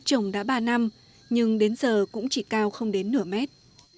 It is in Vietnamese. đũa ông thái trồng đã ba năm nhưng đến giờ cũng chỉ cao không đến nửa mét